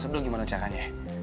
sebelum gimana ucapannya